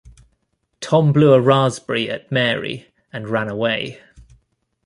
Tom blew a raspberry at Mary and ran away.